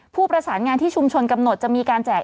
ผู้ประสานงานที่ชุมชนกำหนดจะมีการแจก